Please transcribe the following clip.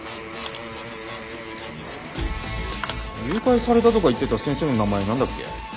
誘拐されたとか言ってた先生の名前何だっけ？